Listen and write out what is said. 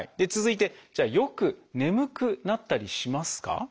続いてじゃあよく眠くなったりしますか？